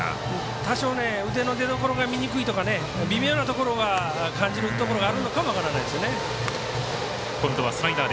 多少、腕の出どころが見えにくいとか微妙なところは感じるところがあるのかも分かりませんね。